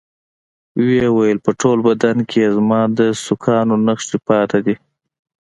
ويې ويل په ټول بدن کښې يې زما د سوکانو نخښې پاتې دي.